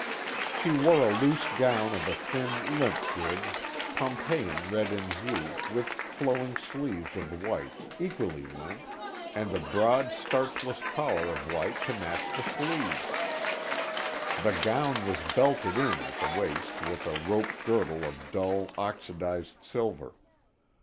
She wore a loose gown of a thin, limp goods, Pompeiian red in hue, with flowing sleeves of white, equally limp, and a broad, starchless collar of white to match the sleeves. The gown was belted in at the waist with a rope girdle of dull, oxidized silver.